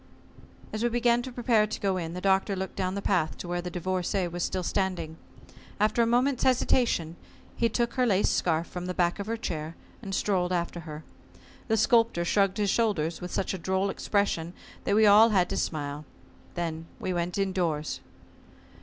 As we began to prepare to go in, the Doctor looked down the path to where the Divorcée was still standing. After a moment's hesitation he took her lace scarf from the back of her chair, and strolled after her. The Sculptor shrugged his shoulders with such a droll expression that we all had to smile. Then we went indoors.